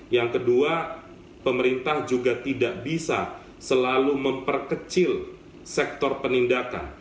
yang kedua pemerintah juga tidak bisa selalu memperkecil sektor penindakan